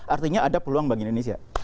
artinya ada peluang bagi indonesia